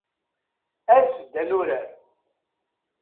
As-d ad nurar.